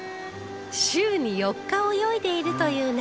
週に４日泳いでいるという中村さん